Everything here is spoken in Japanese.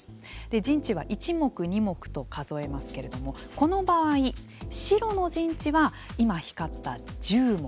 陣地は１目２目と数えますけれどもこの場合白の陣地は今光った１０目。